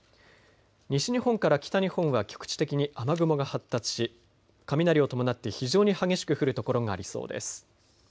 西日本から北日本は局地的に雨雲が発達し雷を伴って非常に激しく降る所がありそうです。